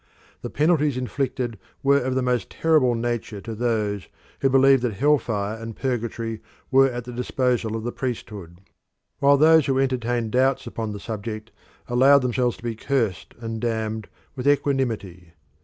The penalties inflicted were of the most terrible nature to those who believed that hell fire and purgatory were at the disposal of the priesthood, while those who entertained doubts upon the subject allowed themselves to be cursed and damned with equanimity.